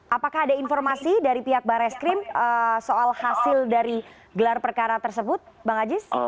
apakah ada informasi dari pihak barreskrim soal hasil dari gelar perkara tersebut bang aziz